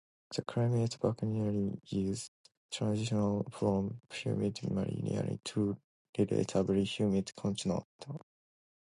The climate of Bakuriani is transitional from humid maritime to relatively humid continental.